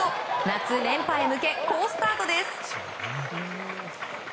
夏連覇へ向け好スタートです。